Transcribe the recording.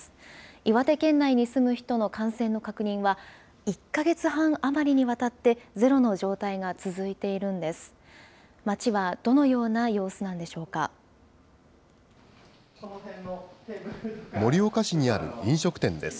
岩手県内に住む人の感染の確認は、１か月半余りにわたって、ゼロの状態が続いているんです。